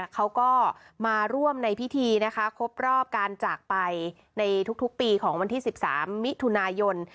เขาก็มาร่วมในพิธีนะคะครบรอบการจากไปในทุกปีของวันที่๑๓มิถุนายน